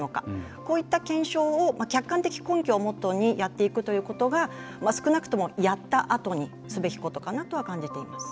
こういった検証を客観的根拠をモットーにやっていくということがやったあとにすべきことかなとは感じています。